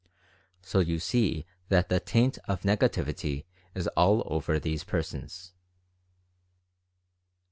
So you see that the taint of negativity is all over these persons.